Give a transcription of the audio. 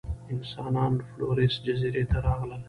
انسانان فلورېس جزیرې ته راغلل.